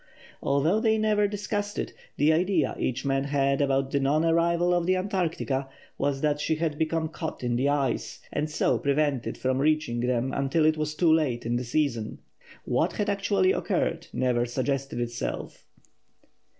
Although they never discussed it, the idea each man had about the non arrival of the Antarctica was that she had become caught in the ice, and so prevented from reaching them until it was too late in the season. What had actually occurred never suggested itself.